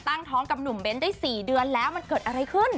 ท้องกับหนุ่มเบ้นได้๔เดือนแล้วมันเกิดอะไรขึ้น